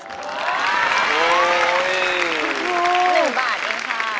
คุณครู๑บาทอย่างนั้นค่ะ